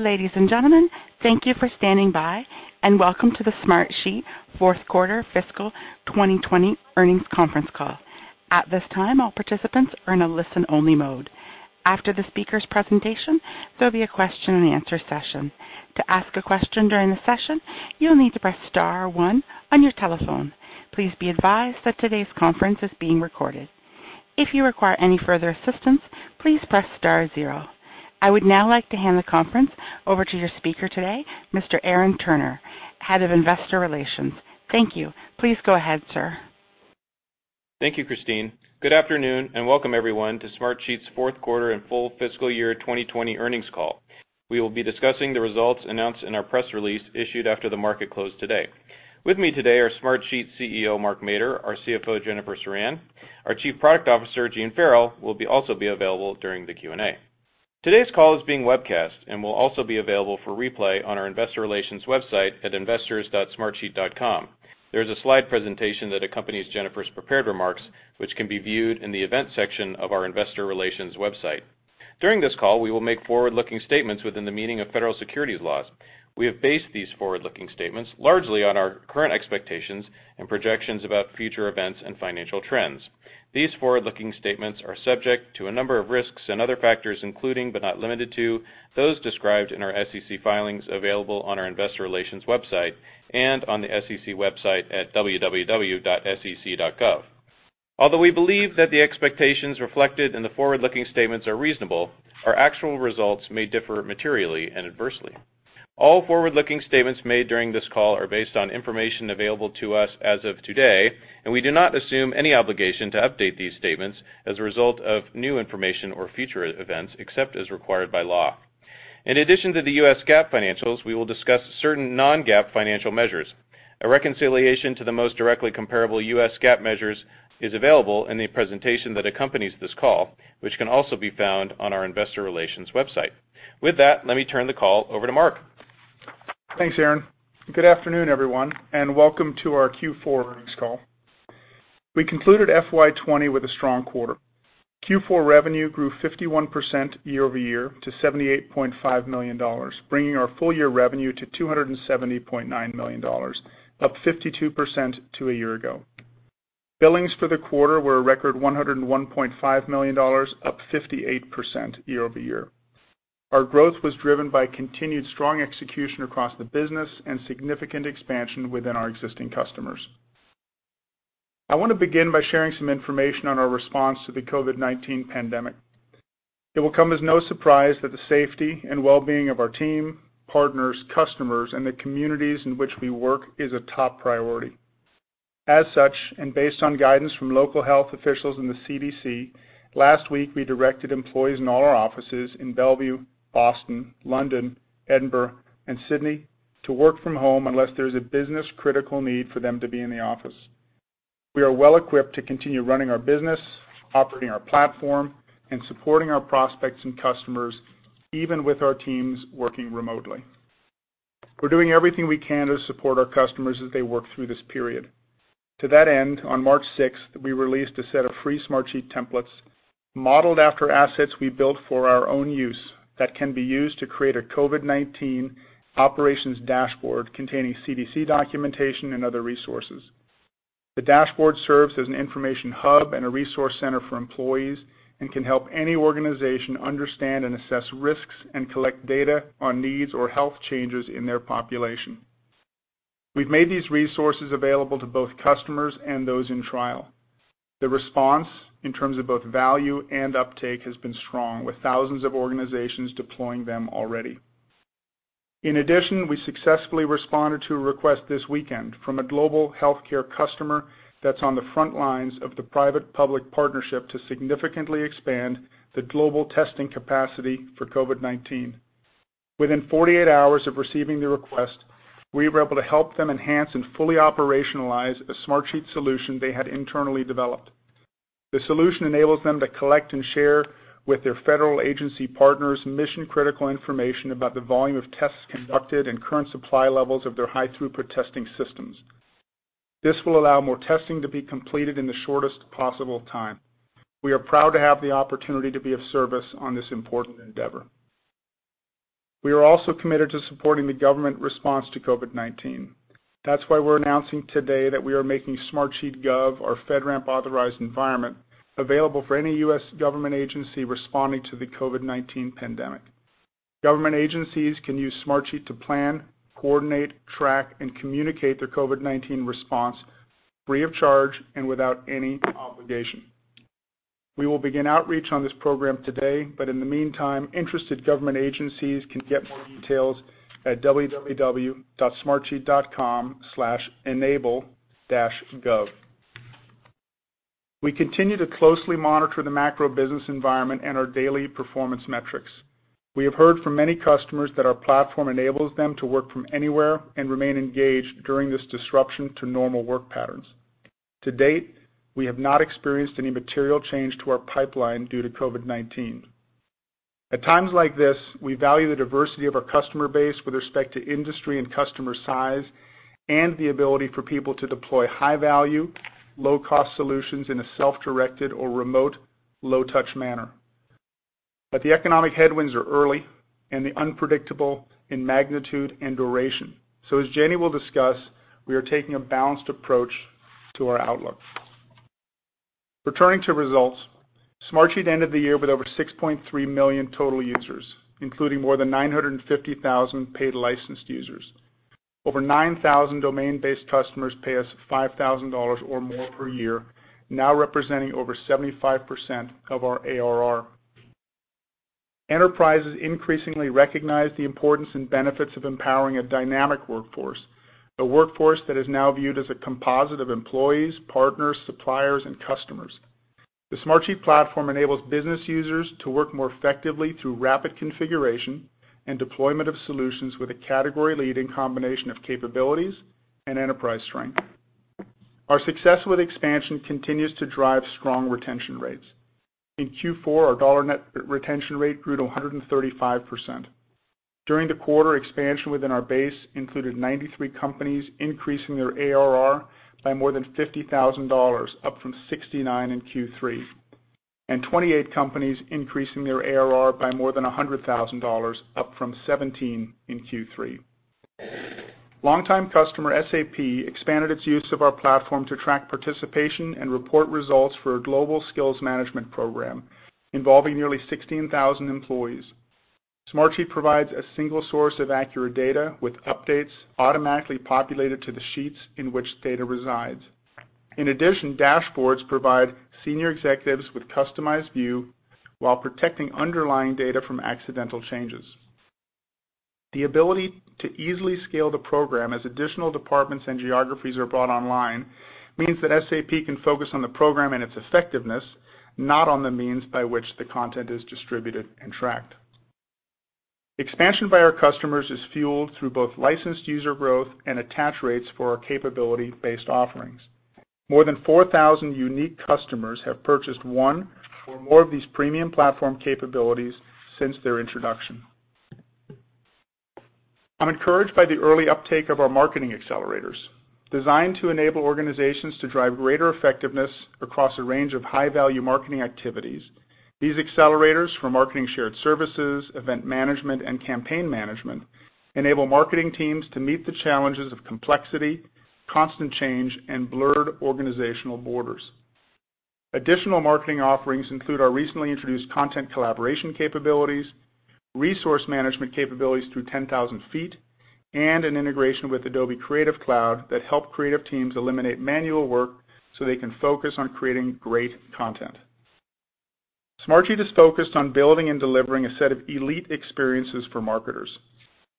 Ladies and gentlemen, thank you for standing by, and welcome to the Smartsheet Q4 Fiscal 2020 Earnings Conference Call. At this time, all participants are in a listen-only mode. After the speakers' presentation, there'll be a question and answer session. To ask a question during the session, you'll need to press star one on your telephone. Please be advised that today's conference is being recorded. If you require any further assistance, please press star zero. I would now like to hand the conference over to your speaker today, Mr. Aaron Turner, Head of Investor Relations. Thank you. Please go ahead, sir. Thank you, Christine. Good afternoon, and welcome everyone to Smartsheet's Q4 and Full Fiscal Year 2020 Earnings Call. We will be discussing the results announced in our press release issued after the market closed today. With me today are Smartsheet CEO, Mark Mader, our CFO, Jennifer Ceran. Our Chief Product Officer, Gene Farrell, will also be available during the Q&A. Today's call is being webcast and will also be available for replay on our investor relations website at investors.smartsheet.com. There is a slide presentation that accompanies Jennifer's prepared remarks, which can be viewed in the events section of our investor relations website. During this call, we will make forward-looking statements within the meaning of federal securities laws. We have based these forward-looking statements largely on our current expectations and projections about future events and financial trends. These forward-looking statements are subject to a number of risks and other factors, including, but not limited to those described in our SEC filings available on our investor relations website and on the SEC website at www.sec.gov. Although we believe that the expectations reflected in the forward-looking statements are reasonable, our actual results may differ materially and adversely. All forward-looking statements made during this call are based on information available to us as of today, and we do not assume any obligation to update these statements as a result of new information or future events, except as required by law. In addition to the U.S. GAAP financials, we will discuss certain non-GAAP financial measures. A reconciliation to the most directly comparable U.S. GAAP measures is available in the presentation that accompanies this call, which can also be found on our investor relations website. With that, let me turn the call over to Mark. Thanks, Aaron. Good afternoon, everyone. Welcome to our Q4 earnings call. We concluded FY 2020 with a strong quarter. Q4 revenue grew 51% year-over-year to $78.5 million, bringing our full year revenue to $270.9 million, up 52% to a year ago. Billings for the quarter were a record $101.5 million, up 58% year-over-year. Our growth was driven by continued strong execution across the business and significant expansion within our existing customers. I want to begin by sharing some information on our response to the COVID-19 pandemic. It will come as no surprise that the safety and well-being of our team, partners, customers, and the communities in which we work is a top priority. As such, based on guidance from local health officials and the CDC, last week, we directed employees in all our offices in Bellevue, Boston, London, Edinburgh, and Sydney to work from home unless there is a business-critical need for them to be in the office. We are well-equipped to continue running our business, operating our platform, and supporting our prospects and customers, even with our teams working remotely. We're doing everything we can to support our customers as they work through this period. To that end, on March 6th, we released a set of free Smartsheet templates modeled after assets we built for our own use that can be used to create a COVID-19 operations dashboard containing CDC documentation and other resources. The dashboard serves as an information hub and a resource center for employees and can help any organization understand and assess risks and collect data on needs or health changes in their population. We've made these resources available to both customers and those in trial. The response, in terms of both value and uptake, has been strong, with thousands of organizations deploying them already. We successfully responded to a request this weekend from a global healthcare customer that's on the front lines of the private-public partnership to significantly expand the global testing capacity for COVID-19. Within 48 hours of receiving the request, we were able to help them enhance and fully operationalize a Smartsheet solution they had internally developed. The solution enables them to collect and share with their federal agency partners mission-critical information about the volume of tests conducted and current supply levels of their high-throughput testing systems. This will allow more testing to be completed in the shortest possible time. We are proud to have the opportunity to be of service on this important endeavor. We are also committed to supporting the government response to COVID-19. That's why we're announcing today that we are making Smartsheet Gov, our FedRAMP-authorized environment, available for any U.S. government agency responding to the COVID-19 pandemic. Government agencies can use Smartsheet to plan, coordinate, track, and communicate their COVID-19 response free of charge and without any obligation. We will begin outreach on this program today, but in the meantime, interested government agencies can get more details at www.smartsheet.com/enable-gov. We continue to closely monitor the macro business environment and our daily performance metrics. We have heard from many customers that our platform enables them to work from anywhere and remain engaged during this disruption to normal work patterns. To date, we have not experienced any material change to our pipeline due to COVID-19. At times like this, we value the diversity of our customer base with respect to industry and customer size. The ability for people to deploy high-value, low-cost solutions in a self-directed or remote, low-touch manner. The economic headwinds are early and they're unpredictable in magnitude and duration. As Jennifer will discuss, we are taking a balanced approach to our outlook. Returning to results, Smartsheet ended the year with over 6.3 million total users, including more than 950,000 paid licensed users. Over 9,000 domain-based customers pay us $5,000 or more per year, now representing over 75% of our ARR. Enterprises increasingly recognize the importance and benefits of empowering a dynamic workforce, a workforce that is now viewed as a composite of employees, partners, suppliers, and customers. The Smartsheet platform enables business users to work more effectively through rapid configuration and deployment of solutions with a category-leading combination of capabilities and enterprise strength. Our success with expansion continues to drive strong retention rates. In Q4, our dollar net retention rate grew to 135%. During the quarter, expansion within our base included 93 companies increasing their ARR by more than $50,000, up from 69 in Q3, and 28 companies increasing their ARR by more than $100,000, up from 17 in Q3. Longtime customer SAP expanded its use of our platform to track participation and report results for a global skills management program involving nearly 16,000 employees. Smartsheet provides a single source of accurate data, with updates automatically populated to the sheets in which data resides. In addition, dashboards provide senior executives with customized view, while protecting underlying data from accidental changes. The ability to easily scale the program as additional departments and geographies are brought online means that SAP can focus on the program and its effectiveness, not on the means by which the content is distributed and tracked. Expansion by our customers is fueled through both licensed user growth and attach rates for our capability-based offerings. More than 4,000 unique customers have purchased one or more of these Premium platform capabilities since their introduction. I'm encouraged by the early uptake of our marketing Accelerators. Designed to enable organizations to drive greater effectiveness across a range of high-value marketing activities, these Accelerators for marketing shared services, event management, and campaign management enable marketing teams to meet the challenges of complexity, constant change, and blurred organizational borders. Additional marketing offerings include our recently introduced content collaboration capabilities, resource management capabilities through 10,000 ft, and an integration with Adobe Creative Cloud that help creative teams eliminate manual work so they can focus on creating great content. Smartsheet is focused on building and delivering a set of elite experiences for marketers.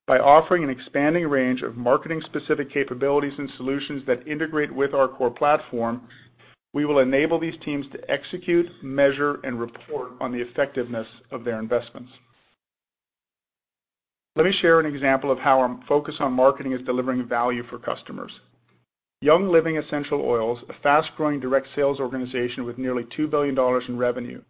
By offering an expanding range of marketing-specific capabilities and solutions that integrate with our core platform, we will enable these teams to execute, measure, and report on the effectiveness of their investments. Let me share an example of how our focus on marketing is delivering value for customers. Young Living Essential Oils, a fast-growing direct sales organization with nearly $2 billion in revenue,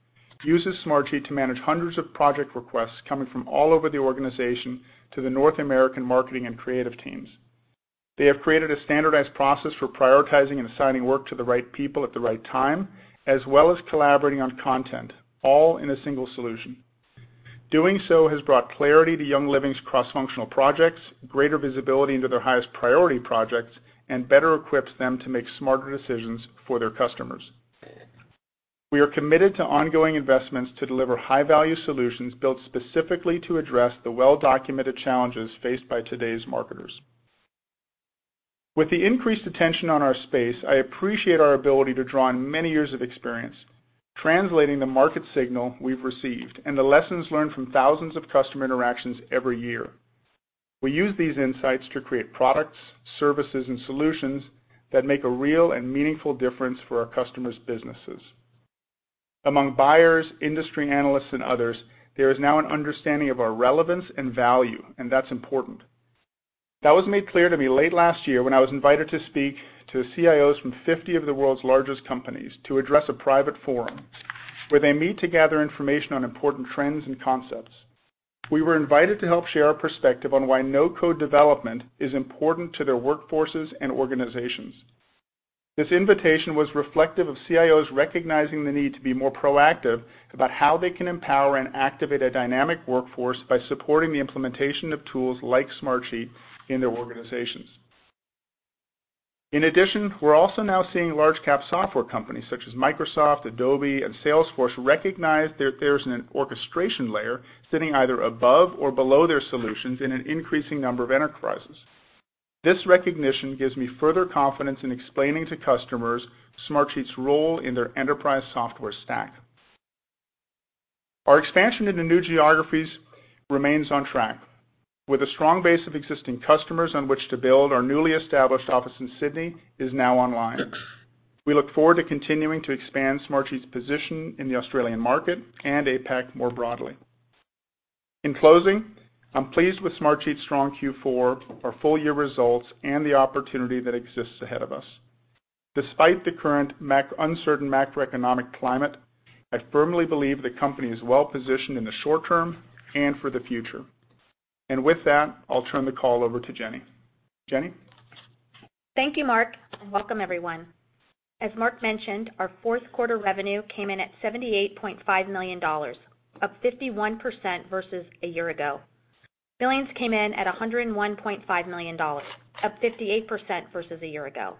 uses Smartsheet to manage hundreds of project requests coming from all over the organization to the North American marketing and creative teams. They have created a standardized process for prioritizing and assigning work to the right people at the right time, as well as collaborating on content, all in a single solution. Doing so has brought clarity to Young Living's cross-functional projects, Greater visibility into their highest priority projects, and better equips them to make smarter decisions for their customers. We are committed to ongoing investments to deliver high-value solutions built specifically to address the well-documented challenges faced by today's marketers. With the increased attention on our space, I appreciate our ability to draw on many years of experience, translating the market signal we've received and the lessons learned from thousands of customer interactions every year. We use these insights to create products, services, and solutions that make a real and meaningful difference for our customers' businesses. Among buyers, industry analysts, and others, there is now an understanding of our relevance and value, and that's important. That was made clear to me late last year when I was invited to speak to CIOs from 50 of the world's largest companies to address a private forum where they meet to gather information on important trends and concepts. We were invited to help share our perspective on why no-code development is important to their workforces and organizations. This invitation was reflective of CIOs recognizing the need to be more proactive about how they can empower and activate a dynamic workforce by supporting the implementation of tools like Smartsheet in their organizations. In addition, We're also now seeing large cap software companies such as Microsoft, Adobe, and Salesforce recognize that there's an orchestration layer sitting either above or below their solutions in an increasing number of enterprises. This recognition gives me further confidence in explaining to customers Smartsheet's role in their enterprise software stack. Our expansion into new geographies remains on track. With a strong base of existing customers on which to build, our newly established office in Sydney is now online. We look forward to continuing to expand Smartsheet's position in the Australian market and APAC more broadly. In closing, I'm pleased with Smartsheet's strong Q4, our full-year results, and the opportunity that exists ahead of us. Despite the current uncertain macroeconomic climate, I firmly believe the company is well-positioned in the short term and for the future. With that, I'll turn the call over to Jennifer. Jennifer? Thank you, Mark, and welcome everyone. As Mark mentioned, our Q4 revenue came in at $78.5 million, up 51% versus a year ago. Billings came in at $101.5 million, up 58% versus a year ago.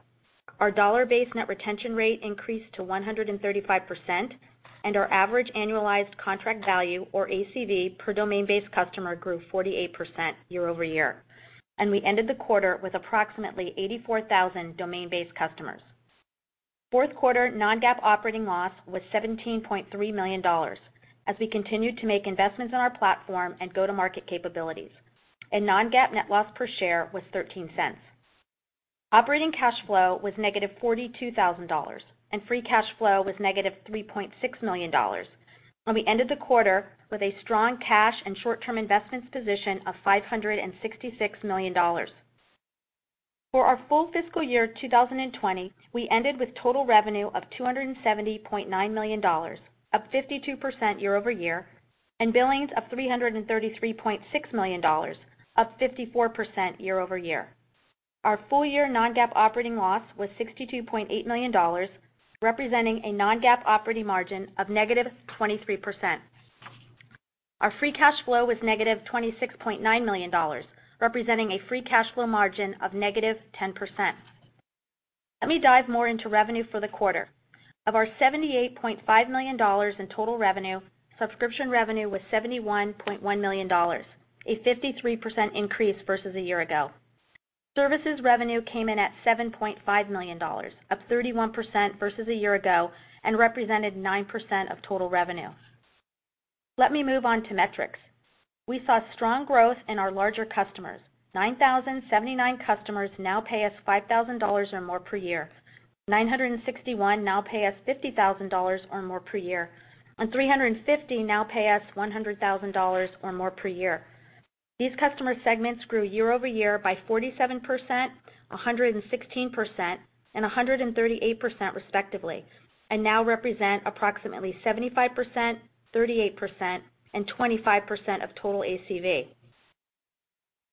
Our dollar-based net retention rate increased to 135%. Our average annualized contract value, or ACV, per domain-based customer grew 48% year-over-year. We ended the quarter with approximately 84,000 domain-based customers. Q4 non-GAAP operating loss was $17.3 million as we continued to make investments in our platform and go-to-market capabilities. Non-GAAP net loss per share was $0.13. Operating cash flow was -$42,000, and free cash flow was -$3.6 million. We ended the quarter with a strong cash and short-term investments position of $566 million. For our full fiscal year 2020, we ended with total revenue of $270.9 million, up 52% year-over-year, and billings of $333.6 million, up 54% year-over-year. Our full-year non-GAAP operating loss was $62.8 million, representing a non-GAAP operating margin of -23%. Our free cash flow was -$26.9 million, representing a free cash flow margin of -10%. Let me dive more into revenue for the quarter. Of our $78.5 million in total revenue, subscription revenue was $71.1 million, a 53% increase versus a year ago. Services revenue came in at $7.5 million, up 31% versus a year ago and represented 9% of total revenue. Let me move on to metrics. We saw strong growth in our larger customers. 9,079 customers now pay us $5,000 or more per year. 961 now pay us $50,000 or more per year, and 350 now pay us $100,000 or more per year. These customer segments grew year-over-year by 47%, 116%, and 138% respectively, and now represent approximately 75%, 38%, and 25% of total ACV.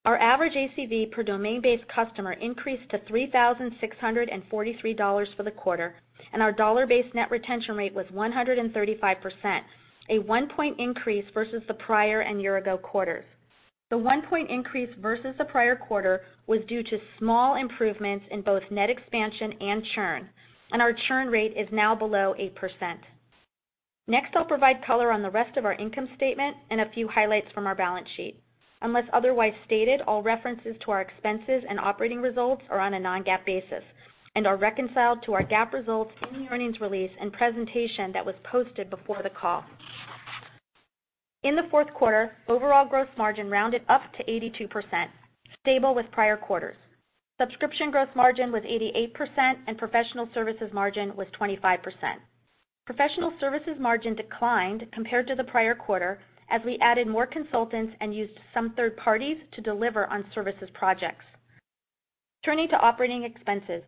Our average ACV per domain-based customer increased to $3,643 for the quarter, and our dollar-based net retention rate was 135%, a 1-point increase versus the prior and year-ago quarters. The 1-point increase versus the prior quarter was due to small improvements in both net expansion and churn, and our churn rate is now below 8%. Next, I'll provide color on the rest of our income statement and a few highlights from our balance sheet. Unless otherwise stated, all references to our expenses and operating results are on a non-GAAP basis and are reconciled to our GAAP results in the earnings release and presentation that was posted before the call. In the Q4, overall gross margin rounded up to 82%, stable with prior quarters. Subscription gross margin was 88%, and professional services margin was 25%. Professional services margin declined compared to the prior quarter as we added more consultants and used some third parties to deliver on services projects. Turning to operating expenses.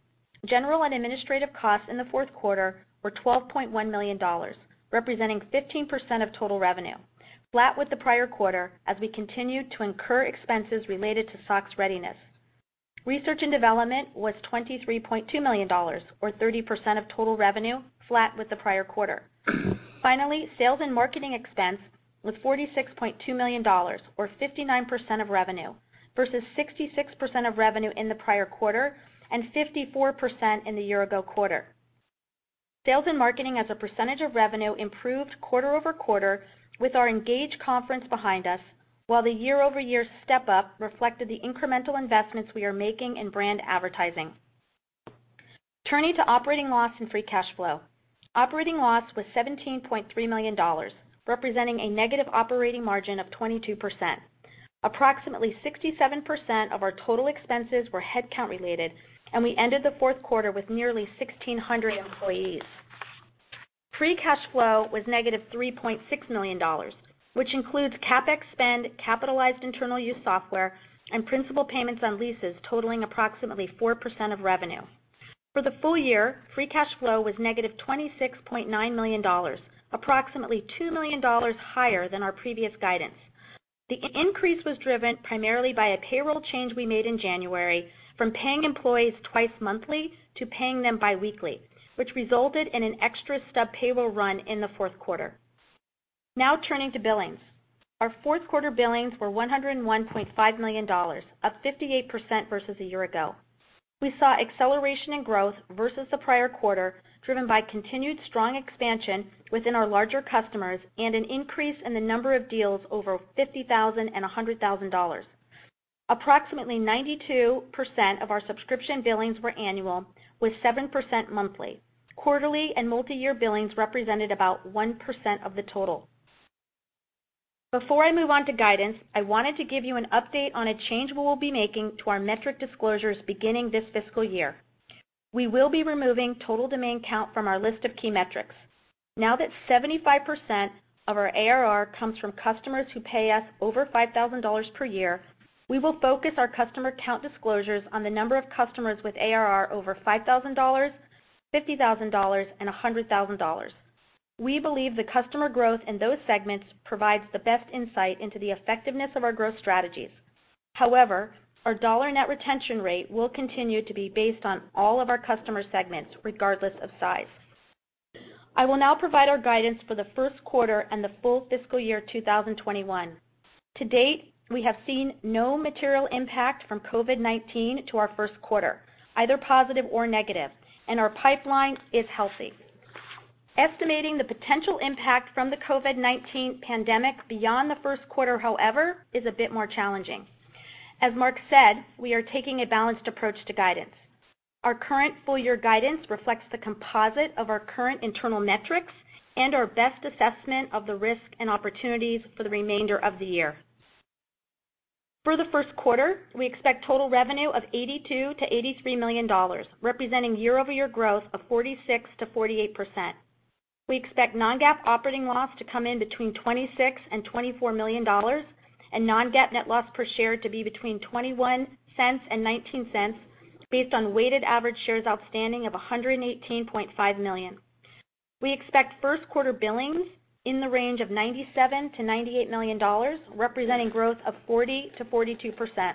General and administrative costs in the Q4 were $12.1 million, representing 15% of total revenue, flat with the prior quarter as we continued to incur expenses related to SOX readiness. Research and development was $23.2 million, or 30% of total revenue, flat with the prior quarter. Finally, sales and marketing expense was $46.2 million, or 59% of revenue, versus 66% of revenue in the prior quarter and 54% in the year-ago quarter. Sales and marketing as a percentage of revenue improved quarter-over-quarter with our Engage conference behind us, while the year-over-year step-up reflected the incremental investments we are making in brand advertising. Turning to operating loss and free cash flow. Operating loss was $17.3 million, representing a negative operating margin of 22%. Approximately 67% of our total expenses were headcount related, and we ended the Q4 with nearly 1,600 employees. Free cash flow was -$3.6 million, Which includes CapEx spend, capitalized internal use software, and principal payments on leases totaling approximately 4% of revenue. For the full year, free cash flow was -$26.9 million, approximately $2 million higher than our previous guidance. The increase was driven primarily by a payroll change we made in January from paying employees twice monthly to paying them biweekly, which resulted in an extra stub payroll run in the Q4. Now turning to billings. Our Q4 billings were $101.5 million, up 58% versus a year ago. We saw acceleration in growth versus the prior quarter, driven by continued strong expansion within our larger customers and an increase in the number of deals over 50,000 and $100,000. Approximately 92% of our subscription billings were annual, with 7% monthly. Quarterly and multiyear billings represented about 1% of the total. Before I move on to guidance, I wanted to give you an update on a change we will be making to our metric disclosures beginning this fiscal year. We will be removing total domain count from our list of key metrics. Now that 75% of our ARR comes from customers who pay us over $5,000 per year, we will focus our customer count disclosures on the number of customers with ARR over $5,000, $50,000, and $100,000. We believe the customer growth in those segments provides the best insight into the effectiveness of our growth strategies. However, our dollar net retention rate will continue to be based on all of our customer segments, regardless of size. I will now provide our guidance for the Q1 and the full fiscal year 2021. To date, we have seen no material impact from COVID-19 to our Q1, either positive or negative, and our pipeline is healthy. Estimating the potential impact from the COVID-19 pandemic beyond the Q1, however, is a bit more challenging. As Mark said, we are taking a balanced approach to guidance. Our current full-year guidance reflects the composite of our current internal metrics and our best assessment of the risk and opportunities for the remainder of the year. For the Q1, we expect total revenue of $82 million-$83 million, representing year-over-year growth of 46%-48%. We expect non-GAAP operating loss to come in between $26 million and $24 million, and non-GAAP net loss per share to be between $0.21 and $0.19 based on weighted average shares outstanding of 118.5 million. We expect Q1 billings in the range of $97 million-$98 million, representing growth of 40%-42%.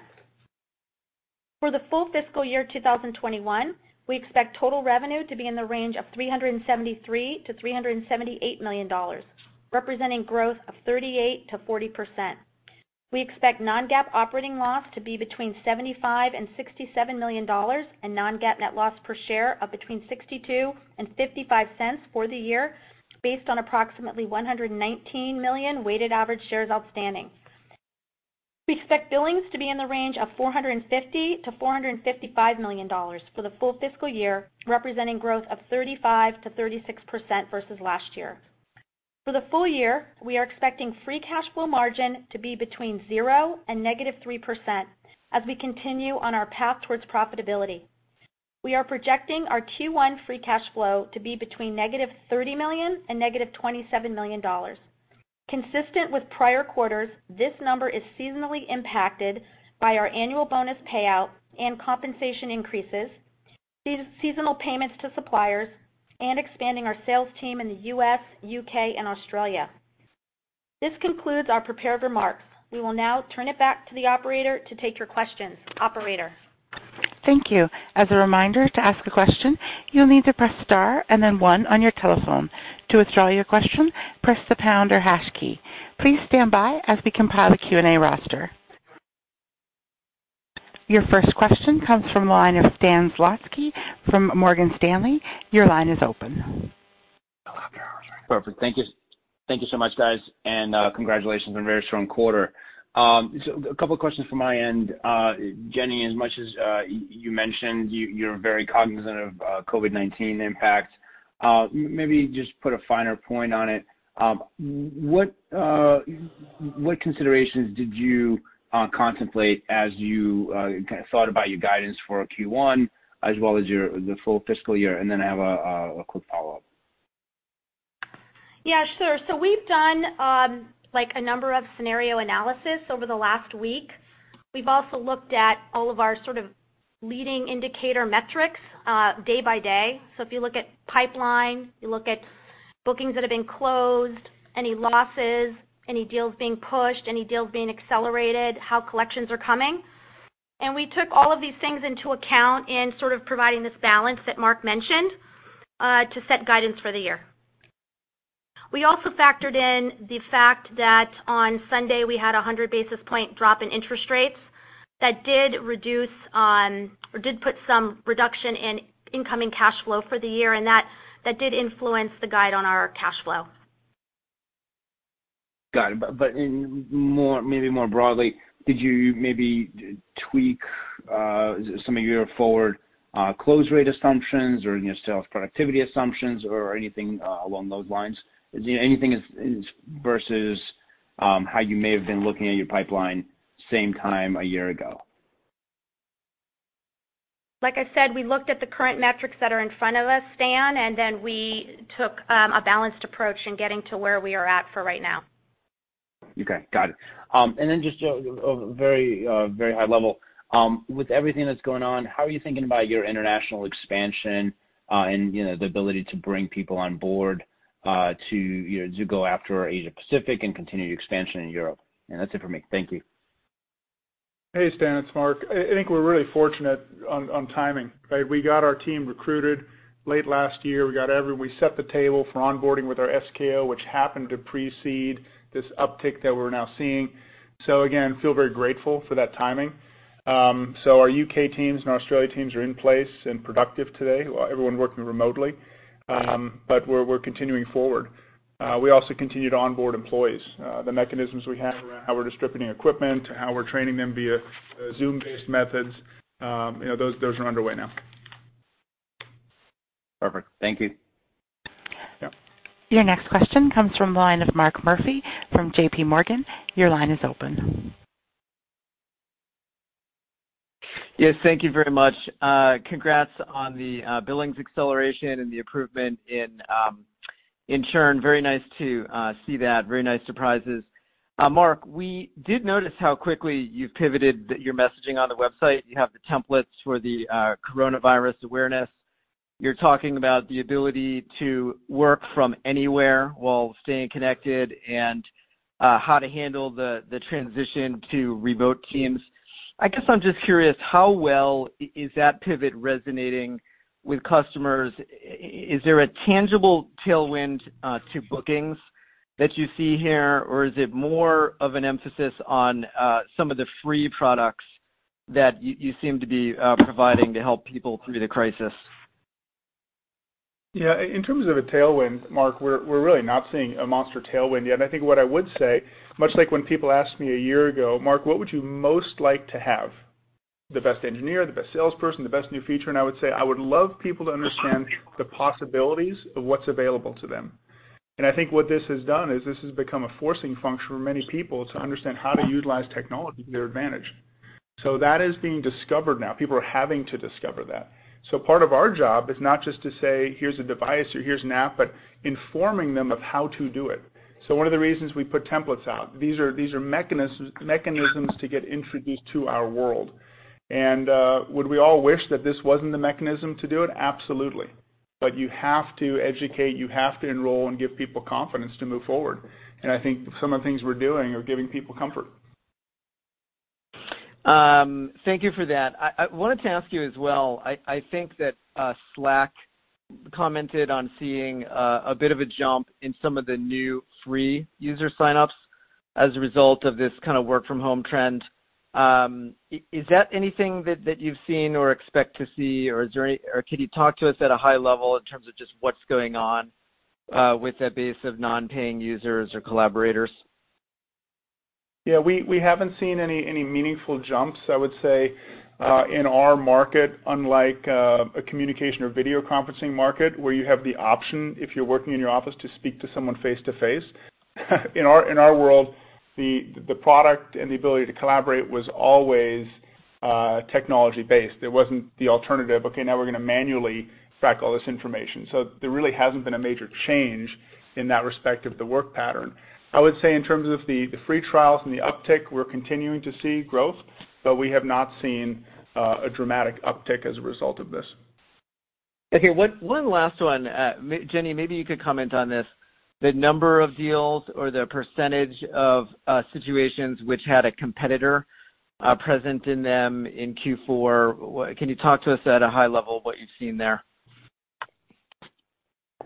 For the full fiscal year 2021, we expect total revenue to be in the range of $373 million-$378 million, representing growth of 38%-40%. We expect non-GAAP operating loss to be between $75 and $67 million, and non-GAAP net loss per share of between 62 cents and 55 cents for the year, based on approximately 119 million weighted average shares outstanding. We expect billings to be in the range of $450-$455 million for the full fiscal year, representing growth of 35%-36% versus last year. For the full year, we are expecting free cash flow margin to be between zero and -3% as we continue on our path towards profitability. We are projecting our Q1 free cash flow to be between -$30 million and -$27 million. Consistent with prior quarters, this number is seasonally impacted by our annual bonus payout and compensation increases, seasonal payments to suppliers, and expanding our sales team in the U.S., U.K., and Australia. This concludes our prepared remarks. We will now turn it back to the operator to take your questions. Operator? Thank you. As a reminder, to ask a question, you'll need to press star and then one on your telephone. To withdraw your question, press the pound or hash key. Please stand by as we compile a Q&A roster. Your first question comes from the line of Stan Zlotsky from Morgan Stanley. Your line is open. Perfect. Thank you. Thank you so much, guys, and congratulations on a very strong quarter. A couple questions from my end. Jennifer, as much as you mentioned, you're very cognizant of COVID-19 impact. Maybe just put a finer point on it. What considerations did you contemplate as you thought about your guidance for Q1 as well as the full fiscal year? I have a quick follow-up. Yeah, sure. We've done a number of scenario analysis over the last week. We've also looked at all of our leading indicator metrics day by day. If you look at pipeline, you look at bookings that have been closed, any losses, any deals being pushed, any deals being accelerated, how collections are coming. We took all of these things into account in providing this balance that Mark mentioned to set guidance for the year. We also factored in the fact that on Sunday, we had a 100 basis point drop in interest rates that did put some reduction in incoming cash flow for the year, and that did influence the guide on our cash flow. Got it. Maybe more broadly, did you maybe tweak some of your forward close rate assumptions or your sales productivity assumptions or anything along those lines? Anything versus how you may have been looking at your pipeline same time a year ago? Like I said, we looked at the current metrics that are in front of us, Stan, and then we took a balanced approach in getting to where we are at for right now. Okay. Got it. just very high level. With everything that's going on, how are you thinking about your international expansion and the ability to bring people on board to go after Asia Pacific and continue expansion in Europe? that's it for me. Thank you. Hey, Stan. It's Mark. I think we're really fortunate on timing, right? We got our team recruited late last year. We set the table for onboarding with our SKO, which happened to precede this uptick that we're now seeing. Again, feel very grateful for that timing. Our U.K. teams and our Australia teams are in place and productive today, everyone working remotely. We're continuing forward. We also continued to onboard employees. The mechanisms we have around how we're distributing equipment, how we're training them via Zoom-based methods, those are underway now. Perfect. Thank you. Yeah. Your next question comes from the line of Mark Murphy from JPMorgan. Your line is open. Yes, thank you very much. Congrats on the billings acceleration and the improvement in churn. Very nice to see that. Very nice surprises. Mark, we did notice how quickly you've pivoted your messaging on the website. You have the templates for the coronavirus awareness. You're talking about the ability to work from anywhere while staying connected and how to handle the transition to remote teams. I guess I'm just curious, how well is that pivot resonating with customers? Is there a tangible tailwind to bookings that you see here, or is it more of an emphasis on some of the free products that you seem to be providing to help people through the crisis? Yeah, in terms of a tailwind, Mark, we're really not seeing a monster tailwind yet. I think what I would say, much like when people ask me a year ago, "Mark, what would you most like to have? The best engineer, the best salesperson, the best new feature?" I would say, "I would love people to understand the possibilities of what's available to them." I think what this has done is this has become a forcing function for many people to understand how to utilize technology to their advantage. That is being discovered now. People are having to discover that. Part of our job is not just to say, "Here's a device," or, "Here's an app," but informing them of how to do it. One of the reasons we put templates out, these are mechanisms to get introduced to our world. Would we all wish that this wasn't the mechanism to do it? Absolutely. You have to educate, you have to enroll, and give people confidence to move forward. I think some of the things we're doing are giving people comfort. Thank you for that. I wanted to ask you as well, I think that Slack commented on seeing a bit of a jump in some of the new free user signups as a result of this work-from-home trend. Is that anything that you've seen or expect to see, or could you talk to us at a high level in terms of just what's going on with that base of non-paying users or collaborators? Yeah, we haven't seen any meaningful jumps, I would say, in our market, unlike a communication or video conferencing market, where you have the option, if you're working in your office, to speak to someone face-to-face. In our world, the product and the ability to collaborate was always technology-based. There wasn't the alternative, okay, now we're going to manually track all this information. There really hasn't been a major change in that respect of the work pattern. I would say in terms of the free trials and the uptick, we're continuing to see growth, but we have not seen a dramatic uptick as a result of this. Okay, one last one. Jennifer, maybe you could comment on this. The number of deals or the percentage of situations which had a competitor present in them in Q4, can you talk to us at a high level what you've seen there?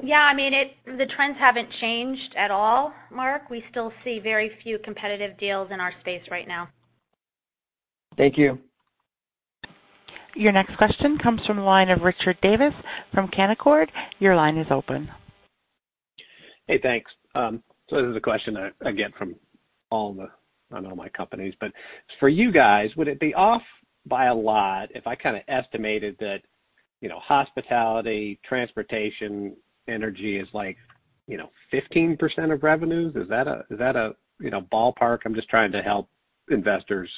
Yeah, the trends haven't changed at all, Mark. We still see very few competitive deals in our space right now. Thank you. Your next question comes from the line of Richard Davis from Canaccord Genuity. Your line is open. Hey, thanks. This is a question I get from not all my companies, but for you guys, would it be off by a lot if I estimated that hospitality, transportation, energy is 15% of revenues? Is that a ballpark? I'm just trying to help investors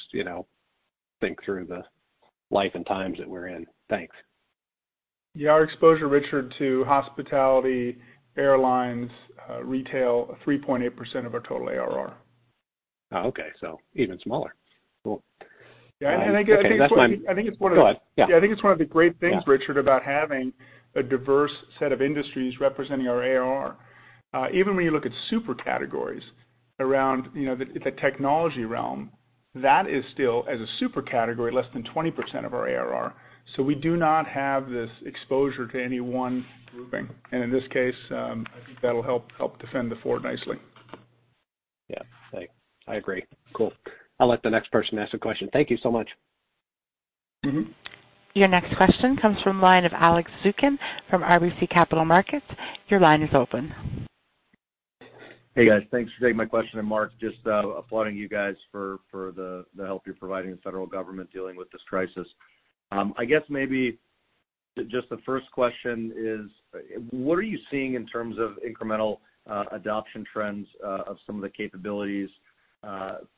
think through the life and times that we're in. Thanks. Yeah, our exposure, Richard, to hospitality, airlines, retail, 3.8% of our total ARR. Oh, okay. Even smaller. Cool. Yeah, I think it's one of the, Go ahead. Yeah I think it's one of the great things, Richard, about having a diverse set of industries representing our ARR. Even when you look at super categories around the technology realm, that is still, as a super category, less than 20% of our ARR. We do not have this exposure to any one grouping. In this case, I think that'll help defend the fort nicely. Yeah. I agree. Cool. I'll let the next person ask a question. Thank you so much. Your next question comes from the line of Alex Zukin from RBC Capital Markets. Your line is open. Hey, guys. Thanks for taking my question. Mark, just applauding you guys for the help you're providing the federal government dealing with this crisis. I guess maybe just the first question is, what are you seeing in terms of incremental adoption trends of some of the capabilities,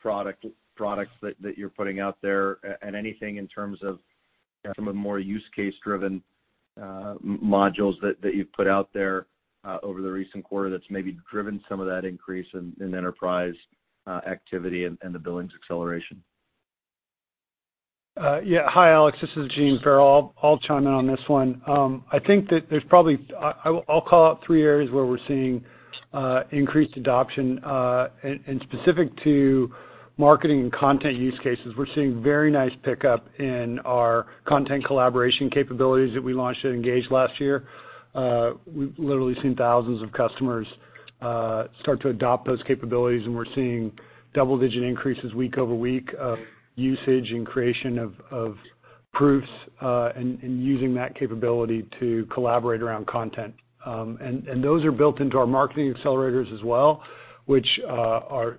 products that you're putting out there? Anything in terms of some of the more use case-driven modules that you've put out there over the recent quarter that's maybe driven some of that increase in enterprise activity and the billings acceleration? Yeah. Hi, Alex. This is Gene Farrell. I'll chime in on this one. I'll call out three areas where we're seeing increased adoption. Specific to marketing and content use cases, we're seeing very nice pickup in our content collaboration capabilities that we launched at Engage last year. We've literally seen thousands of customers start to adopt those capabilities, and we're seeing double-digit increases week over week of usage and creation of proofs, and using that capability to collaborate around content. Those are built into our marketing accelerators as well, which are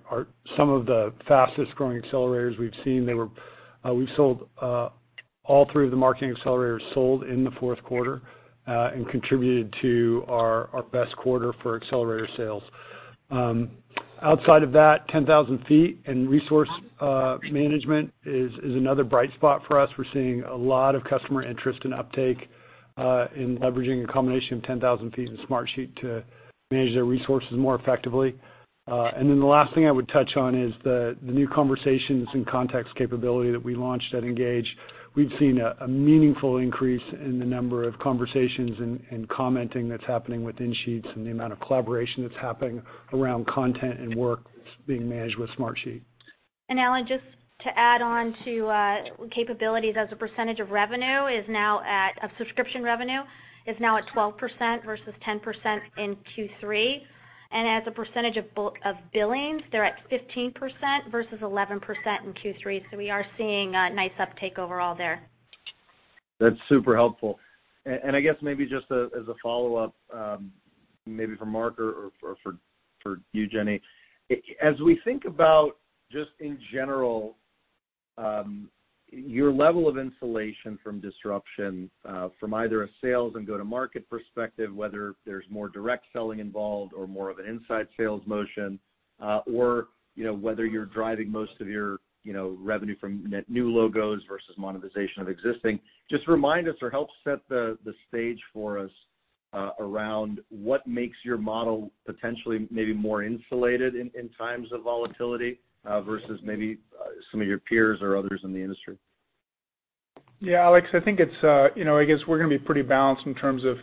some of the fastest-growing accelerators we've seen. All three of the marketing accelerators sold in the Q4 and contributed to our best quarter for accelerator sales. Outside of that, 10,000ft and resource management is another bright spot for us. We're seeing a lot of customer interest and uptake in leveraging a combination of 10,000 ft and Smartsheet to manage their resources more effectively. The last thing I would touch on is the new conversations and context capability that we launched at Engage. We've seen a meaningful increase in the number of conversations and commenting that's happening within Sheets and the amount of collaboration that's happening around content and work that's being managed with Smartsheet. Alex, just to add on to capabilities as a percentage of subscription revenue is now at 12% versus 10% in Q3. As a percentage of billings, they're at 15% versus 11% in Q3. We are seeing a nice uptake overall there. That's super helpful. I guess maybe just as a follow-up, maybe for Mark or for you, Jennifer. As we think about just in general, your level of insulation from disruption from either a sales and go-to-market perspective, whether there's more direct selling involved or more of an inside sales motion, or Whether you're driving most of your revenue from net new logos versus monetization of existing, just remind us or help set the stage for us around what makes your model potentially maybe more insulated in times of volatility, versus maybe some of your peers or others in the industry. Yeah, Alex, I guess we're going to be pretty balanced in terms of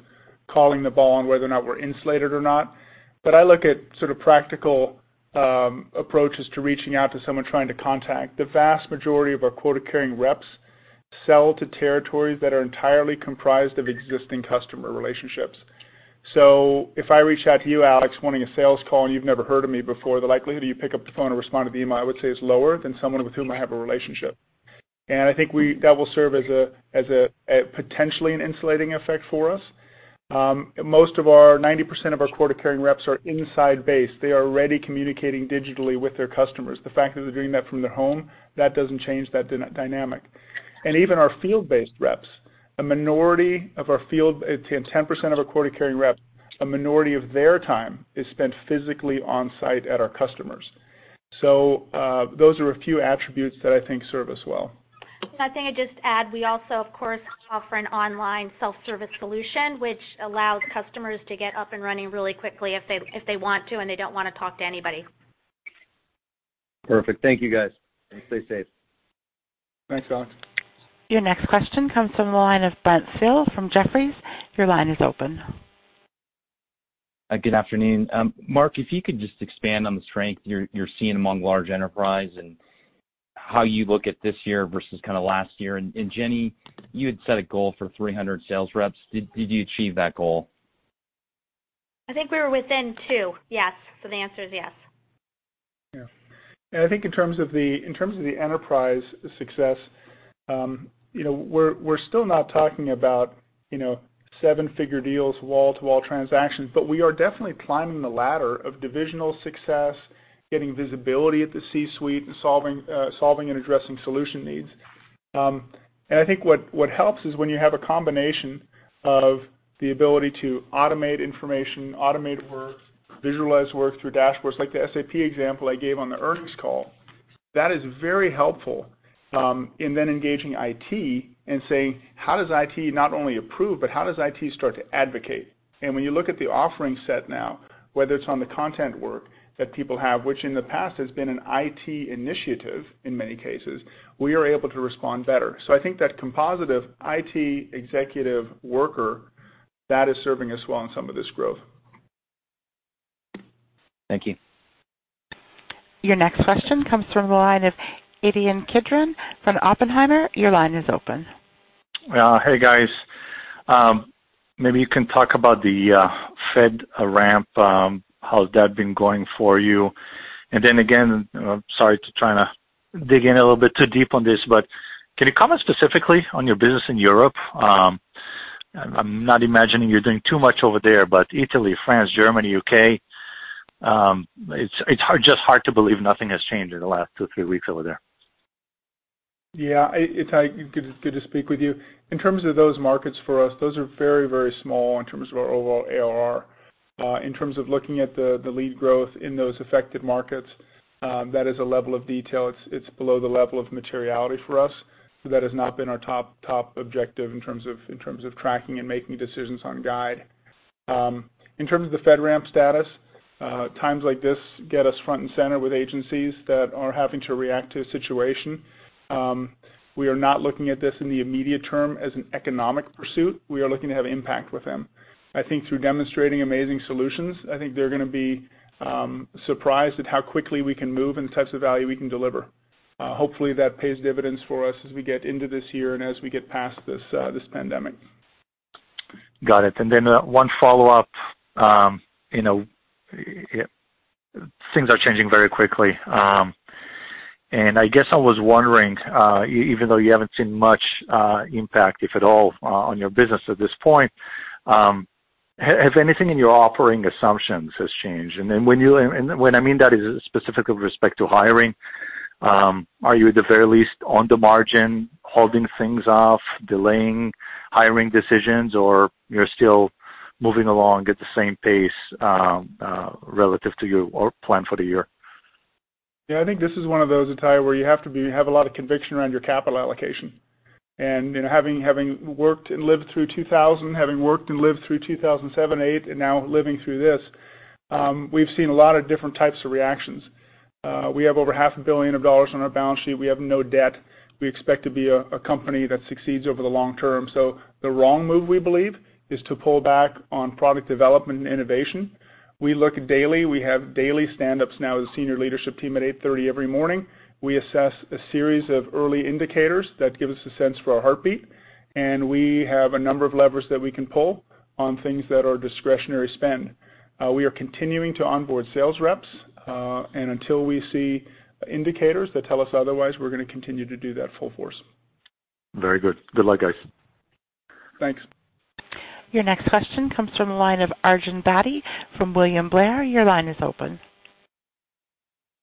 calling the ball on whether or not we're insulated or not. I look at sort of practical approaches to reaching out to someone trying to contact. The vast majority of our quota-carrying reps sell to territories that are entirely comprised of existing customer relationships. If I reach out to you, Alex, wanting a sales call, and you've never heard of me before, the likelihood of you pick up the phone or respond to the email, I would say, is lower than someone with whom I have a relationship. I think that will serve as potentially an insulating effect for us. 90% of our quota-carrying reps are inside-based. They are already communicating digitally with their customers. The fact that they're doing that from their home, that doesn't change that dynamic. Even our field-based reps, 10% of our quota-carrying reps, a minority of their time is spent physically on-site at our customers. Those are a few attributes that I think serve us well. I think I'd just add, we also, of course, offer an online self-service solution, which allows customers to get up and running really quickly if they want to, and they don't want to talk to anybody. Perfect. Thank you, guys, and stay safe. Thanks, Alex. Your next question comes from the line of Brent Thill from Jefferies. Your line is open. Good afternoon. Mark, if you could just expand on the strength you're seeing among large enterprise and how you look at this year versus last year. Jennifer, you had set a goal for 300 sales reps. Did you achieve that goal? I think we were within two. Yes. The answer is yes. Yeah. I think in terms of the enterprise success, we're still not talking about seven-figure deals, wall-to-wall transactions, but we are definitely climbing the ladder of divisional success, getting visibility at the C-suite, and solving and addressing solution needs. I think what helps is when you have a combination of the ability to automate information, automate work, visualize work through dashboards, like the SAP example I gave on the earnings call. That is very helpful in then engaging IT and saying, "How does IT not only approve, but how does IT start to advocate?" When you look at the offering set now, whether it's on the content work that people have, which in the past has been an IT initiative in many cases, we are able to respond better. I think that composite of IT, executive, worker, that is serving us well in some of this growth. Thank you. Your next question comes from the line of Ittai Kidron from Oppenheimer. Your line is open. Hey, guys. Maybe you can talk about the FedRAMP, how's that been going for you? then again, sorry to trying to dig in a little bit too deep on this, but can you comment specifically on your business in Europe? I'm not imagining you're doing too much over there, but Italy, France, Germany, U.K., it's just hard to believe nothing has changed in the last two, three weeks over there. Yeah. Ittai Kidron, good to speak with you. In terms of those markets for us, those are very, very small in terms of our overall ARR. In terms of looking at the lead growth in those affected markets, that is a level of detail, it's below the level of materiality for us. That has not been our top objective in terms of tracking and making decisions on guide. In terms of the FedRAMP status, times like this get us front and center with agencies that are having to react to a situation. We are not looking at this in the immediate term as an economic pursuit. We are looking to have impact with them. I think through demonstrating amazing solutions, I think they're going to be surprised at how quickly we can move and the types of value we can deliver. Hopefully, that pays dividends for us as we get into this year and as we get past this pandemic. Got it. one follow-up. Things are changing very quickly. I guess I was wondering, even though you haven't seen much impact, if at all, on your business at this point, has anything in your operating assumptions has changed? When I mean that is specifically with respect to hiring. Are you at the very least on the margin, holding things off, delaying hiring decisions, or you're still moving along at the same pace relative to your plan for the year? Yeah, I think this is one of those, Ittai, where you have to have a lot of conviction around your capital allocation. having worked and lived through 2000, having worked and lived through 2007, 2008, and now living through this, we've seen a lot of different types of reactions. We have over half a billion dollars on our balance sheet. We have no debt. We expect to be a company that succeeds over the long term. The wrong move, we believe, is to pull back on product development and innovation. We look daily. We have daily stand-ups now as a senior leadership team at 8:30 A.M. every morning. We assess a series of early indicators that give us a sense for our heartbeat, and we have a number of levers that we can pull on things that are discretionary spend. We are continuing to onboard sales reps. Until we see indicators that tell us otherwise, we're going to continue to do that full force. Very good. Good luck, guys. Thanks. Your next question comes from the line of Arjun Bhatia from William Blair. Your line is open.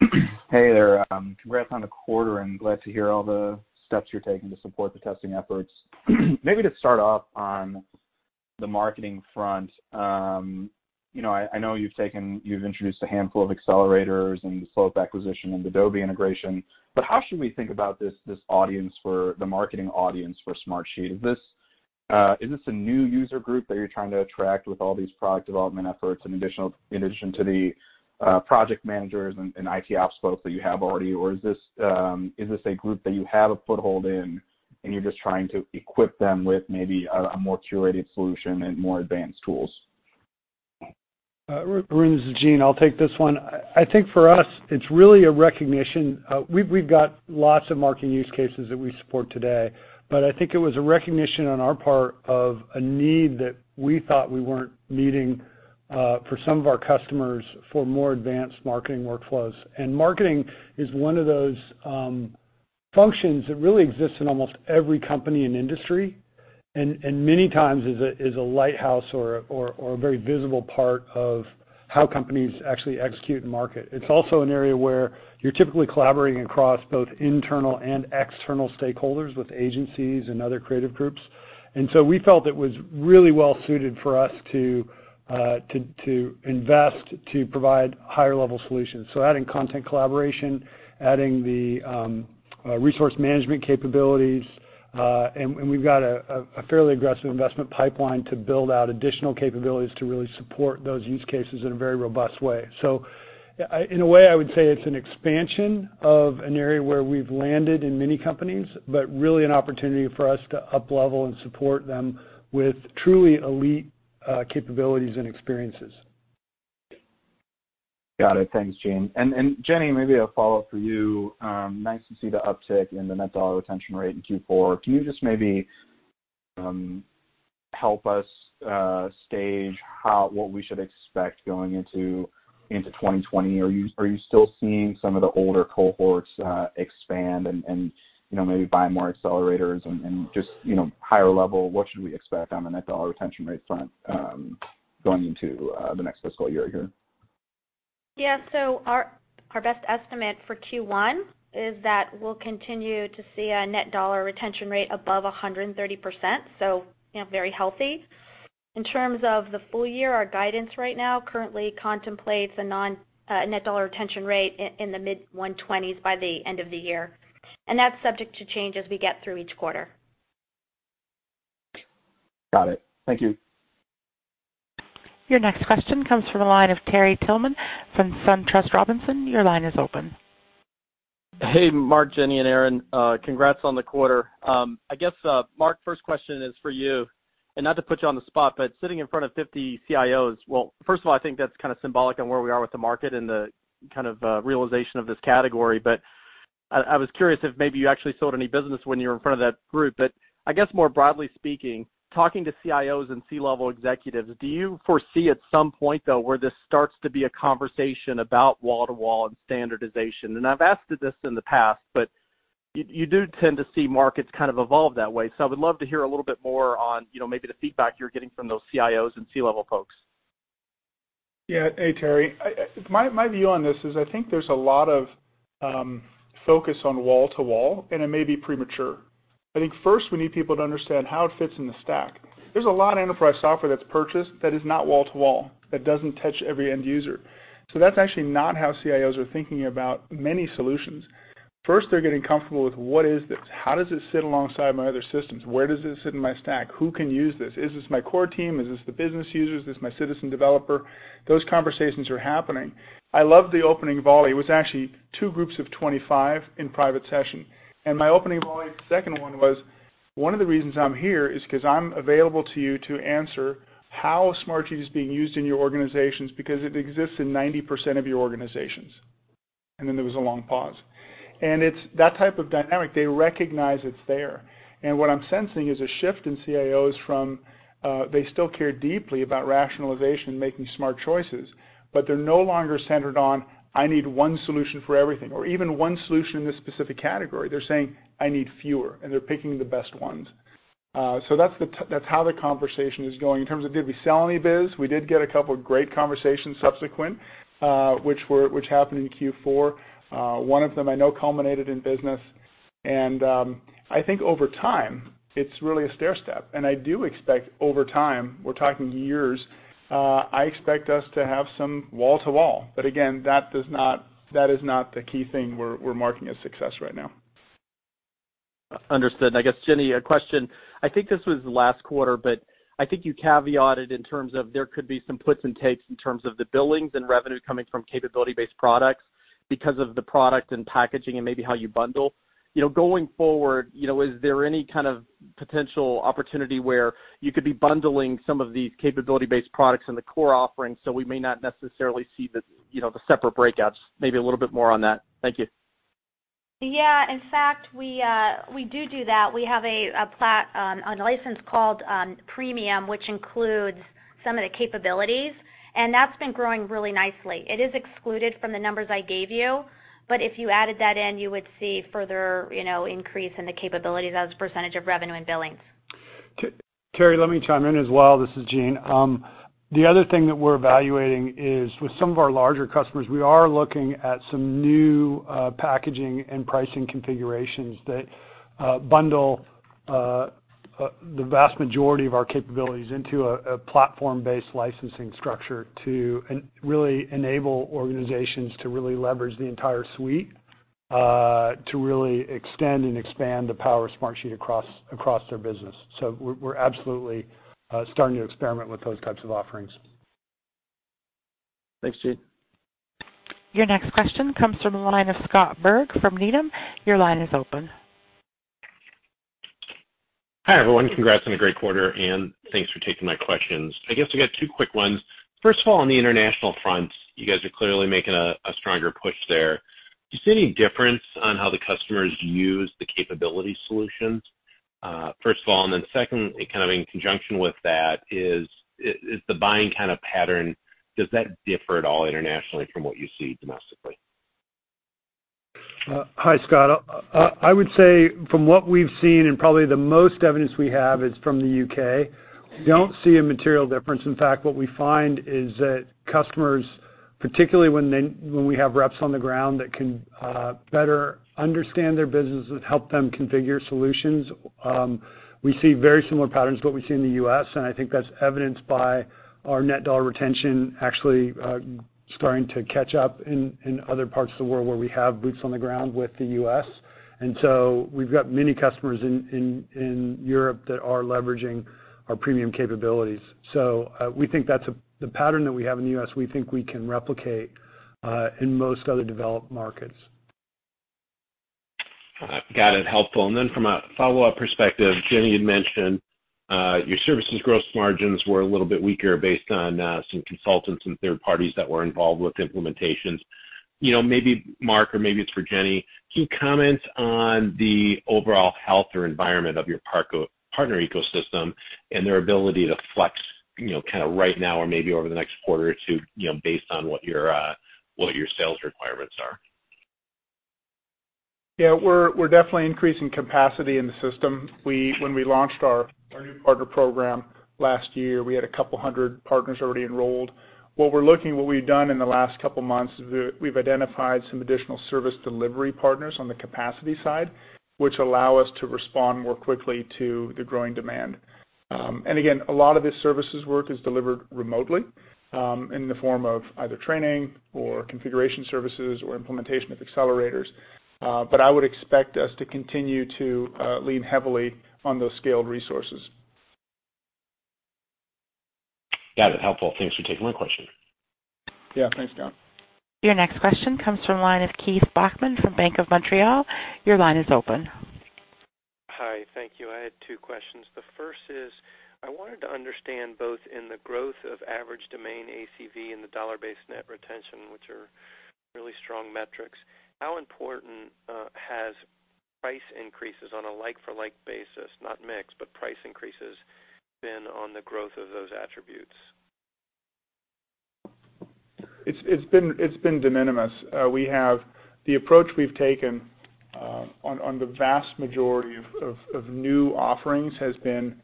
Hey there. Congrats on the quarter. Glad to hear all the steps you're taking to support the testing efforts. Maybe to start off on the marketing front. I know you've introduced a handful of accelerators and the Slope acquisition and the Adobe integration, but how should we think about this marketing audience for Smartsheet? Is this a new user group that you're trying to attract with all these product development efforts in addition to the project managers and IT ops folks that you have already? Is this a group that you have a foothold in, and you're just trying to equip them with maybe a more curated solution and more advanced tools? Arjun, this is Gene. I'll take this one. I think for us, it's really a recognition. We've got lots of marketing use cases that we support today, but I think it was a recognition on our part of a need that we thought we weren't meeting for some of our customers for more advanced marketing workflows. Marketing is one of those functions that really exists in almost every company and industry, and many times is a lighthouse or a very visible part of how companies actually execute and market. It's also an area where you're typically collaborating across both internal and external stakeholders with agencies and other creative groups. We felt it was really well suited for us to invest, to provide higher-level solutions. Adding content collaboration, adding the resource management capabilities, and we've got a fairly aggressive investment pipeline to build out additional capabilities to really support those use cases in a very robust way. In a way, I would say it's an expansion of an area where we've landed in many companies, but really an opportunity for us to uplevel and support them with truly elite capabilities and experiences. Got it. Thanks, Gene. Jennifer, maybe a follow-up for you. Nice to see the uptick in the dollar-based net retention rate in Q4. Can you just maybe help us stage what we should expect going into 2020? Are you still seeing some of the older cohorts expand and maybe buy more Accelerators and just higher level? What should we expect on the dollar-based net retention rate front going into the next fiscal year here? Yeah. Our best estimate for Q1 is that we'll continue to see a net dollar retention rate above 130%, so very healthy. In terms of the full year, our guidance right now currently contemplates a net dollar retention rate in the mid-120s by the end of the year. That's subject to change as we get through each quarter. Got it. Thank you. Your next question comes from the line of Terry Tillman from. Your line is open. Hey, Mark, Jennifer, and Aaron. Congrats on the quarter. I guess, Mark, first question is for you, not to put you on the spot, sitting in front of 50 CIOs. Well, first of all, I think that's kind of symbolic on where we are with the market and the kind of realization of this category. I was curious if maybe you actually sold any business when you were in front of that group. I guess more broadly speaking, talking to CIOs and C-level executives, do you foresee at some point, though, where this starts to be a conversation about wall-to-wall and standardization? I've asked this in the past, you do tend to see markets kind of evolve that way. I would love to hear a little bit more on maybe the feedback you're getting from those CIOs and C-level folks. Yeah. Hey, Terry. My view on this is I think there's a lot of focus on wall-to-wall. It may be premature. I think first we need people to understand how it fits in the stack. There's a lot of enterprise software that's purchased that is not wall-to-wall, that doesn't touch every end user. That's actually not how CIOs are thinking about many solutions. First, they're getting comfortable with what is this? How does it sit alongside my other systems? Where does this sit in my stack? Who can use this? Is this my core team? Is this the business users? Is this my citizen developer? Those conversations are happening. I love the opening volley. It was actually two groups of 25 in private session. My opening volley, the second one was, "One of the reasons I'm here is because I'm available to you to answer how Smartsheet is being used in your organizations because it exists in 90% of your organizations." Then there was a long pause. It's that type of dynamic. They recognize it's there. What I'm sensing is a shift in CIOs from, they still care deeply about rationalization and making smart choices, but they're no longer centered on, I need one solution for everything, or even one solution in this specific category. They're saying, "I need fewer," and they're picking the best ones. That's how the conversation is going. In terms of did we sell any biz, we did get a couple of great conversations subsequent, which happened in Q4. One of them I know culminated in business. I think over time, it's really a stairstep, and I do expect over time, we're talking years, I expect us to have some wall-to-wall. Again, that is not the key thing we're marking as success right now. Understood. I guess, Jennifer, a question. I think this was last quarter, but I think you caveated in terms of there could be some puts and takes in terms of the billings and revenue coming from capability-based products because of the product and packaging and maybe how you bundle. Going forward, is there any kind of potential opportunity where you could be bundling some of these capability-based products in the core offerings, so we may not necessarily see the separate breakouts? Maybe a little bit more on that. Thank you. In fact, we do that. We have a license called Premium, which includes some of the capabilities, and that's been growing really nicely. It is excluded from the numbers I gave you, but if you added that in, you would see further increase in the capabilities as a percentage of revenue and billings. Terry, let me chime in as well. This is Gene. The other thing that we're evaluating is with some of our larger customers, we are looking at some new packaging and pricing configurations that bundle the vast majority of our capabilities into a platform-based licensing structure to really enable organizations to really leverage the entire suite, to really extend and expand the power of Smartsheet across their business. We're absolutely starting to experiment with those types of offerings. Thanks, Gene. Your next question comes from the line of Scott Berg from Needham & Company. Your line is open. Hi, everyone. Congrats on a great quarter, and thanks for taking my questions. I guess I got two quick ones. First of all, on the international front, you guys are clearly making a stronger push there. Do you see any difference on how the customers use the capability solutions, first of all? second, kind of in conjunction with that is the buying kind of pattern, does that differ at all internationally from what you see domestically? Hi, Scott. I would say from what we've seen, and probably the most evidence we have is from the U.K., we don't see a material difference. In fact, what we find is that customers, particularly when we have reps on the ground that can better understand their business and help them configure solutions, We see very similar patterns to what we see in the U.S., and I think that's evidenced by our net dollar retention actually starting to catch up in other parts of the world where we have boots on the ground with the U.S. we've got many customers in Europe that are leveraging our premium capabilities. the pattern that we have in the U.S., we think we can replicate, in most other developed markets. Got it. Helpful. from a follow-up perspective, Jennifer had mentioned, your services gross margins were a little bit weaker based on some consultants and third parties that were involved with implementations. Maybe Mark, or maybe it's for Jennifer, can you comment on the overall health or environment of your partner ecosystem and their ability to flex kind of right now or maybe over the next quarter or two, based on what your sales requirements are? Yeah, we're definitely increasing capacity in the system. When we launched our new partner program last year, we had a couple hundred partners already enrolled. What we've done in the last couple of months is we've identified some additional service delivery partners on the capacity side, which allow us to respond more quickly to the growing demand. Again, a lot of this services work is delivered remotely, in the form of either training or configuration services or implementation of accelerators. I would expect us to continue to lean heavily on those scaled resources. Got it. Helpful. Thanks for taking my question. Yeah. Thanks, Scott. Your next question comes from the line of Keith Bachman from BMO Capital Markets. Your line is open. Hi. Thank you. I had two questions. The first is, I wanted to understand both in the growth of average domain ACV and the dollar-based net retention, which are really strong metrics, how important has price increases on a like-for-like basis, not mix, but price increases, been on the growth of those attributes? It's been de minimis. The approach we've taken on the vast majority of new offerings has been,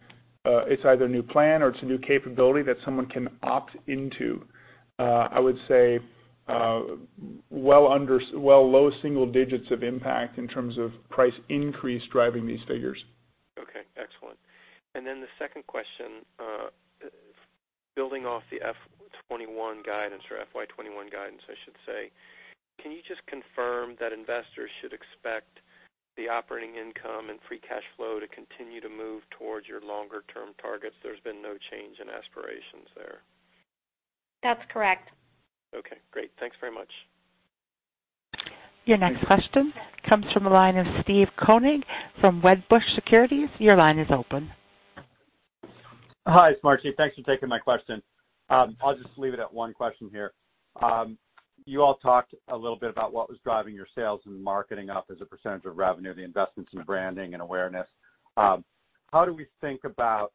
it's either a new plan or it's a new capability that someone can opt into. I would say, well low single digits of impact in terms of price increase driving these figures. Okay. Excellent. The second question, building off the F21 guidance or FY21 guidance, I should say, can you just confirm that investors should expect the operating income and free cash flow to continue to move towards your longer-term targets? There's been no change in aspirations there. That's correct. Okay, great. Thanks very much. Your next question comes from the line of Marty Cohen from Wedbush Securities. Your line is open. Hi, Smartsheet. Thanks for taking my question. I'll just leave it at one question here. You all talked a little bit about what was driving your sales and marketing up as a % of revenue, the investments in branding and awareness. How do we think about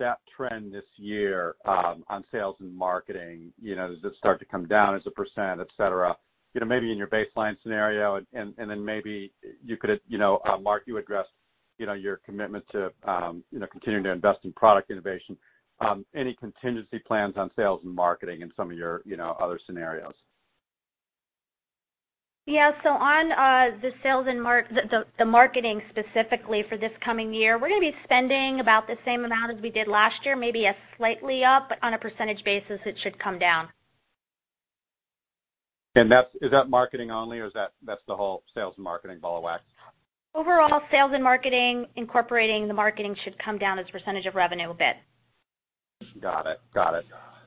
that trend this year on sales and marketing, does it start to come down as a %, et cetera? Maybe in your baseline scenario and then maybe you could, Mark, you addressed your commitment to continuing to invest in product innovation. Any contingency plans on sales and marketing in some of your other scenarios? Yeah. On the marketing specifically for this coming year, we're going to be spending about the same amount as we did last year, maybe slightly up, but on a percentage basis, it should come down. Is that marketing only, or is that the whole sales and marketing ball of wax? Overall sales and marketing, incorporating the marketing should come down as percentage of revenue a bit. Got it.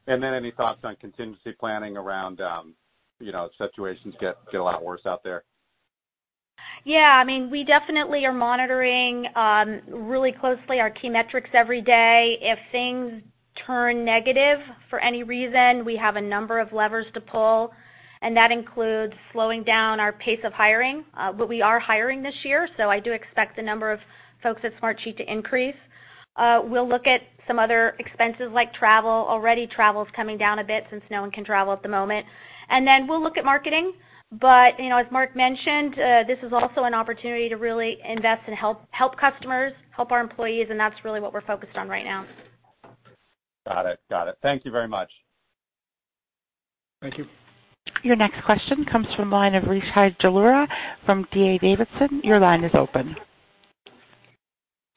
any thoughts on contingency planning around if situations get a lot worse out there? Yeah. We definitely are monitoring really closely our key metrics every day. If things turn negative for any reason, we have a number of levers to pull, and that includes slowing down our pace of hiring. We are hiring this year, so I do expect the number of folks at Smartsheet to increase. We'll look at some other expenses like travel. Already travel's coming down a bit since no one can travel at the moment. We'll look at marketing. As Mark mentioned, this is also an opportunity to really invest and help customers, help our employees, and that's really what we're focused on right now. Got it. Thank you very much. Thank you. Your next question comes from the line of Rishi Jaluria from D.A. Davidson. Your line is open.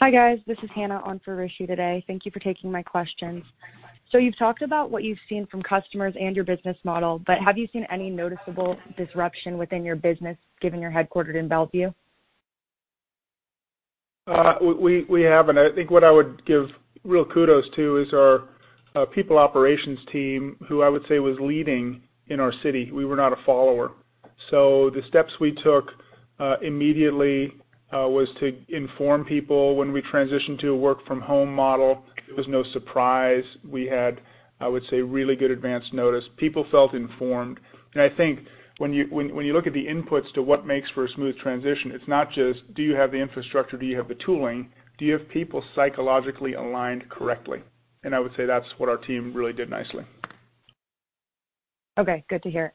Hi, guys. This is Hannah on for Rishie today. Thank you for taking my questions. you've talked about what you've seen from customers and your business model, but have you seen any noticeable disruption within your business given you're headquartered in Bellevue? We have, and I think what I would give real kudos to is our people operations team, who I would say was leading in our city. We were not a follower. The steps we took immediately was to inform people when we transitioned to a work from home model. It was no surprise. We had, I would say, really good advance notice. People felt informed. I think when you look at the inputs to what makes for a smooth transition, it's not just do you have the infrastructure, do you have the tooling? Do you have people psychologically aligned correctly? I would say that's what our team really did nicely. Okay. Good to hear.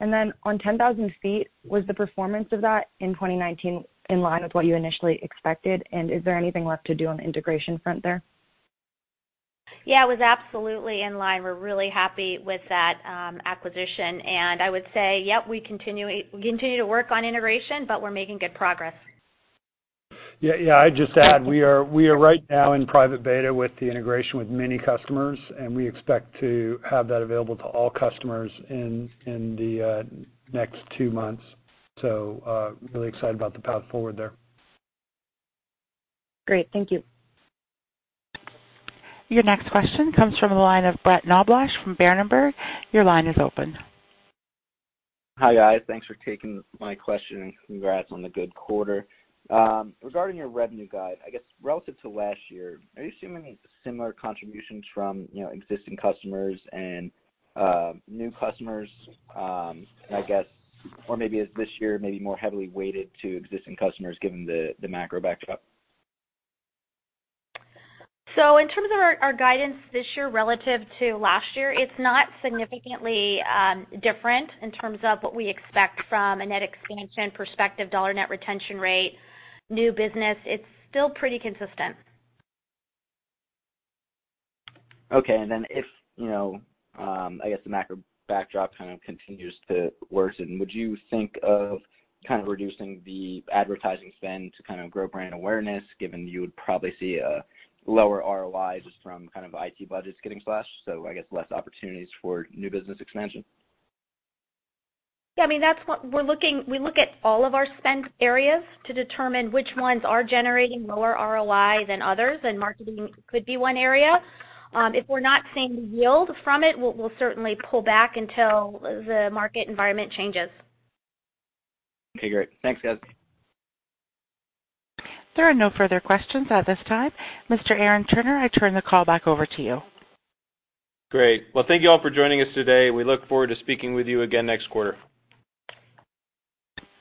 On 10,000ft, was the performance of that in 2019 in line with what you initially expected? Is there anything left to do on the integration front there? Yeah, it was absolutely in line. We're really happy with that acquisition. I would say, yep, we continue to work on integration, but we're making good progress. Yeah. I'd just add, we are right now in private beta with the integration with many customers, and we expect to have that available to all customers in the next two months. Really excited about the path forward there. Great. Thank you. Your next question comes from the line of Brett Knoblauch from Berenberg. Your line is open. Hi, guys. Thanks for taking my question, and congrats on the good quarter. Regarding your revenue guide, I guess relative to last year, are you seeing any similar contributions from existing customers and new customers? I guess, or maybe is this year maybe more heavily weighted to existing customers given the macro backdrop? In terms of our guidance this year relative to last year, it's not significantly different in terms of what we expect from a net expansion perspective, dollar net retention rate, new business. It's still pretty consistent. Okay. If, I guess the macro backdrop kind of continues to worsen, would you think of kind of reducing the advertising spend to kind of grow brand awareness, given you would probably see a lower ROI just from IT budgets getting slashed, so I guess less opportunities for new business expansion? Yeah, we look at all of our spend areas to determine which ones are generating lower ROI than others, and marketing could be one area. If we're not seeing yield from it, we'll certainly pull back until the market environment changes. Okay, great. Thanks, guys. There are no further questions at this time. Mr. Aaron Turner, I turn the call back over to you. Great. Well, thank you all for joining us today. We look forward to speaking with you again next quarter.